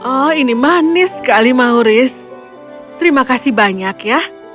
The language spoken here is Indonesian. oh ini manis sekali mauris terima kasih banyak ya